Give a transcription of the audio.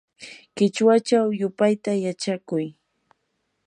qichwachaw yupayta yachakuy.